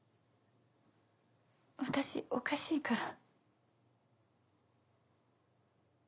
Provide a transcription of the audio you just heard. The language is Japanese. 私おかしいから。